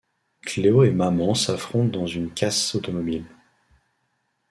Cleo et Maman s’affrontent dans une casse automobile.